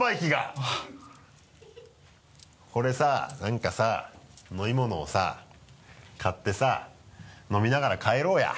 これさ何かさ飲み物をさ買ってさ飲みながら帰ろうや。